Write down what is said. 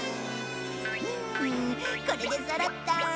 んこれでそろった。